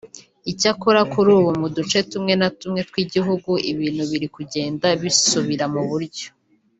Icyakora kuri ubu mu duce tumwe na tumwe tw’igihugu ibintu biri kugenda bisubira mu buryo